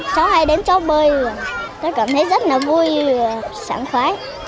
chó hay đến chỗ bơi tôi cảm thấy rất là vui và sẵn khoái